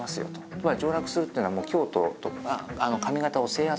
つまり上洛するっていうのは京都とか上方を制圧する。